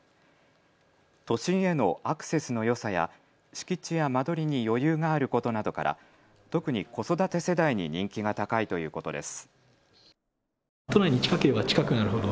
都心へのアクセスのよさや敷地や間取りに余裕があることなどから特に子育て世代に人気が高いということです。